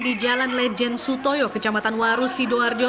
di jalan lejen sutoyo kecamatan waru sidoarjo